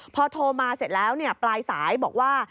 พอโทรมาเสร็จแล้วปลายสายบอกว่า